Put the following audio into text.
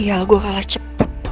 sial gue kalah cepet